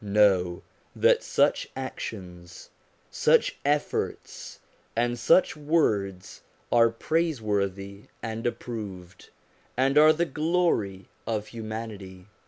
Know that such actions, such efforts, and such words are praiseworthy and approved, and are the glory of humanity.